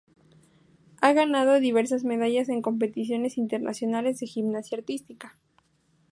Ha ganado diversas medallas en competiciones internacionales de gimnasia artística.